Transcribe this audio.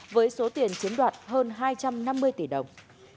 với số tiền chiếm đoạt hơn hai trăm năm mươi tỷ đồng